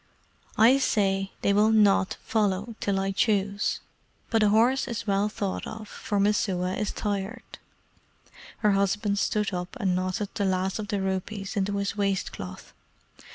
"I say they will NOT follow till I choose; but a horse is well thought of, for Messua is tired." Her husband stood up and knotted the last of the rupees into his waist cloth.